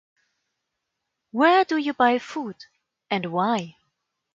Where do you buy food, and why?